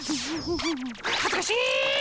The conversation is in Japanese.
はずかしっ！